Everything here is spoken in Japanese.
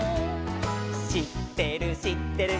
「しってるしってる」